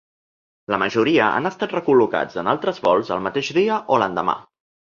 La majoria han estat recol·locats en altres vols el mateix dia o l’endemà.